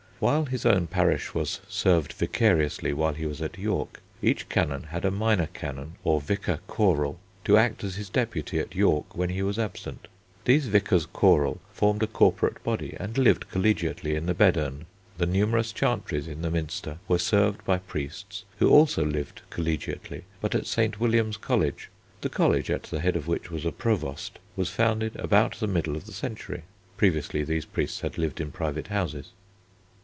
While his own parish was served vicariously while he was at York, each canon had a minor canon or vicar choral to act as his deputy at York when he was absent. These vicars choral formed a corporate body and lived collegiately in the Bedern. The numerous chantries in the Minster were served by priests who also lived collegiately but at St. William's College. The College, at the head of which was a Provost, was founded about the middle of the century. Previously these priests had lived in private houses.